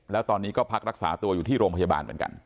แล้วตอนนี้ก็พักรักษาตัวอยู่ที่โรงพยาบาลเหมือนกัน